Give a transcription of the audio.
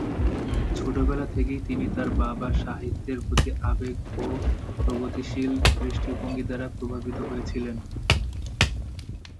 ছোটবেলা থেকেই তিনি তাঁর বাবার সাহিত্যের প্রতি আবেগ এবং প্রগতিশীল দৃষ্টিভঙ্গি দ্বারা প্রভাবিত হয়েছিলেন।